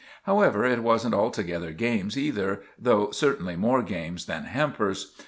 However, it wasn't altogether games either, though certainly more games than hampers.